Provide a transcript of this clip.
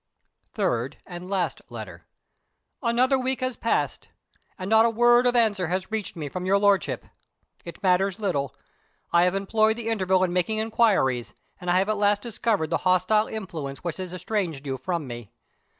Third (and last) Letter. "Another week has passed and not a word of answer has reached me from your Lordship. It matters little. I have employed the interval in making inquiries, and I have at last discovered the hostile influence which has estranged you from me.